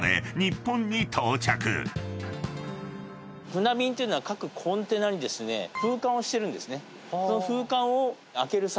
船便というのは各コンテナに封緘をしてるんですね。